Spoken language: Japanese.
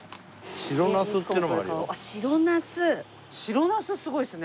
白なす！